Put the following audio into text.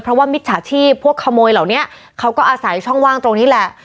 เพราะว่ามิจฉาชีพพวกขโมยเหล่านี้เขาก็อาศัยช่องว่างตรงนี้แหละ